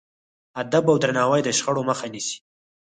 ادب او درناوی د شخړو مخه نیسي.